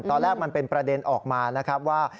ตอนแรกมันเป็นประเด็นออกมานะครับว่า